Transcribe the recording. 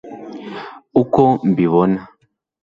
uko mbibona